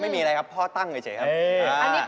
ไม่มีอะไรครับพ่อตั้งเฉยครับ